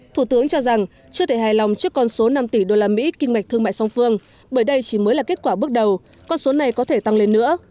thủ tướng cho rằng chưa thể hài lòng trước con số năm tỷ usd kinh mạch thương mại song phương bởi đây chỉ mới là kết quả bước đầu con số này có thể tăng lên nữa